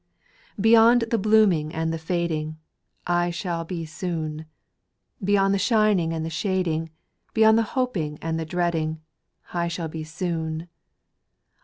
2. Beyond the blooming and the fading, I shall be soon ; Beyond the shining and the shading. Beyond the hoping and the dreading, I shall be soon.